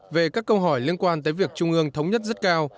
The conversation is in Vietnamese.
về các câu hỏi liên quan tới việc trung ương thống nhất rất cao